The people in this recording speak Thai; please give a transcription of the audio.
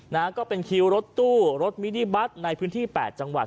นะฮะก็เป็นคิวรถตู้รถมินิบัตรในพื้นที่แปดจังหวัด